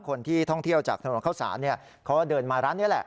คนที่ท่องเที่ยวจากถนนเข้าสารเขาก็เดินมาร้านนี้แหละ